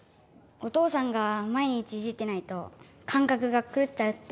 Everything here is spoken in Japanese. お父さんが「毎日いじってないと感覚が狂っちゃう」って。